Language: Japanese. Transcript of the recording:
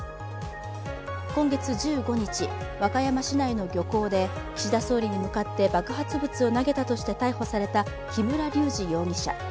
今月１５日、和歌山市内の漁港で岸田総理に向かって爆発物を投げたとして逮捕された木村隆二容疑者。